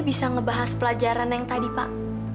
bisa ngebahas pelajaran yang tadi pak